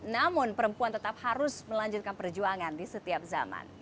namun perempuan tetap harus melanjutkan perjuangan di setiap zaman